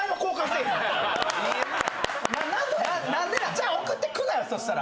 じゃあ、送ってくなよ、そしたら。